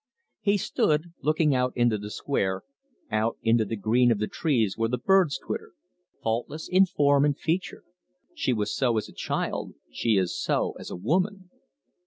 He stood, looking out into the square, out into the green of the trees where the birds twittered. "Faultless faultless in form and feature. She was so as a child, she is so as a woman."